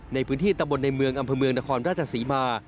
ในพื้นที่ตำบลในเมืองอำเภอเมืองนครราชศรีมา